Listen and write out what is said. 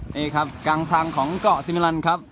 นี่ครับกลางทางของเกาะซิมิลันครับ